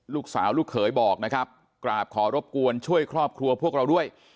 ลูกสาวลูกเขยบอกนะครับกราบขอรบกวนช่วยครอบครัวพวกเราด้วย